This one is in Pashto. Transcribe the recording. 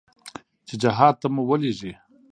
چې جهاد ته مو ولېږي.